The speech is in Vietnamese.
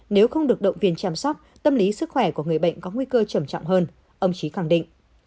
nếu không được động viên chăm sóc tâm lý sức khỏe của người bệnh có nguy cơ trầm trọng hơn ông trí khẳng định